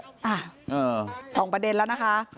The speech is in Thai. อ่ะสองประเด็นแล้วนะคะ